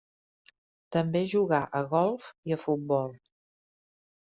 També jugà a golf i a futbol.